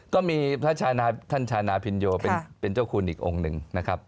ก็มีพระชานาท่านชานาพินโยเป็นเจ้าคุณอีกองค์หนึ่งนะครับ